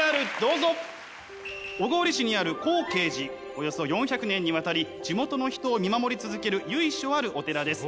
およそ４００年にわたり地元の人を見守り続ける由緒あるお寺です。